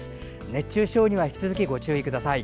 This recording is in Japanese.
熱中症には引き続きご注意ください。